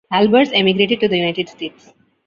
Albers emigrated to the United States.